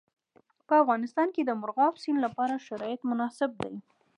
په افغانستان کې د مورغاب سیند لپاره شرایط مناسب دي.